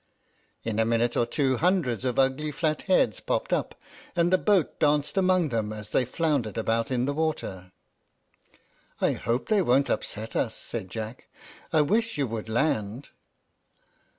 In a minute or two, hundreds of ugly flat heads popped up, and the boat danced among them as they floundered about in the water. "I hope they won't upset us," said Jack. "I wish you would land."